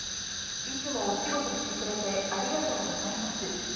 いつもお仕事してくれてありがとうございます。